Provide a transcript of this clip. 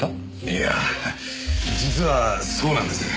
いやあ実はそうなんです。